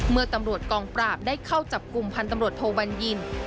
เมื่อตำรวจกองปราบได้เข้าจับกลุ่มพันธ์ตำรวจโทบัญญิน